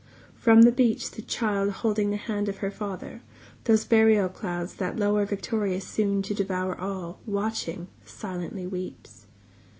From the beach the child holding the hand of her father, Those burial clouds that lower victorious soon to devour all, Watching, silently weeps.